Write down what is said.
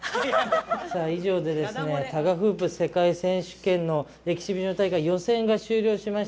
以上でタガフープ世界選手権のエキシビション大会の予選が終了しました。